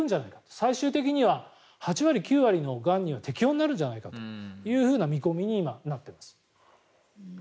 最終的には８割、９割のがんに適用になるんじゃないかという見込みに今、なっています。